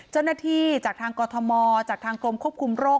เจ้าหน้าที่จากทางกรทมจากทางกรมควบคุมโรค